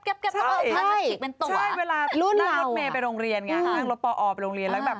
ใช่เวลานั่งรถเมย์ไปโรงเรียน